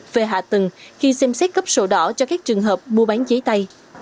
về hạ tầng khi xem xét cấp sổ đỏ cho các trường hợp mua bán giấy tay